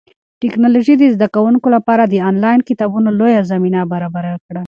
ټیکنالوژي د زده کوونکو لپاره د انلاین کتابتونونو لویه زمینه برابره کړه.